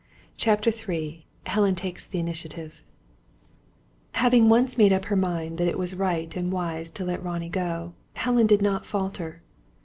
CHAPTER III HELEN TAKES THE INITIATIVE Having once made up her mind that it was right and wise to let Ronnie go, Helen did not falter.